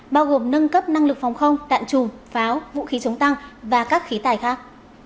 bao gồm nâng cấp năng lực phòng không đạn chùm pháo vũ khí chống tăng và các khí tài khác